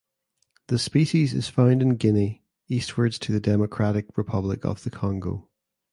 The species is found in Guinea eastwards to the Democratic Republic of the Congo.